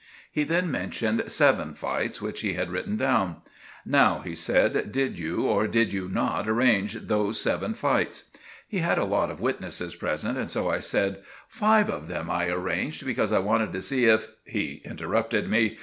He then mentioned seven fights which he had written down. "Now," he said, "did you or did you not arrange those seven fights?" He had a lot of witnesses present and so I said— "Five of them I arranged, because I wanted to see if——" He interrupted me.